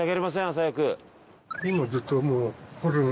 朝早く。